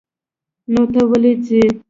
نو ته ولې ځې؟